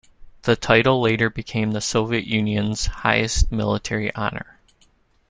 The title later became the Soviet Union's highest military honor.